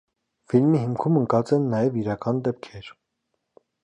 Ֆիլմի հիմքում ընկած են նաև իրական դեպքեր։